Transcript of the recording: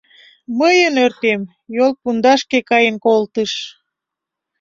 Мыйын ӧртем йолпундашке каен колтыш!